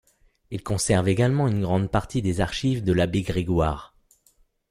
Il conserve également une grande partie des archives de l'abbé Grégoire.